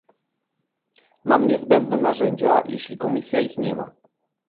Mam niezbędne narzędzia, jeśli Komisja ich nie ma